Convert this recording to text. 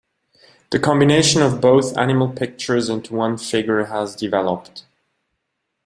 The combination of both animal pictures into one figure has developed.